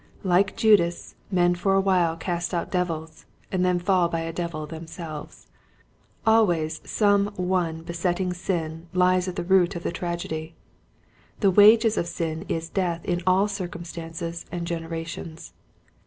Like Judas men for a while cast out devils and then fall by a devil themselves. Always some one besetting sin hes at the root of the tragedy. The wages of sin is death in all circumstances and gener ations.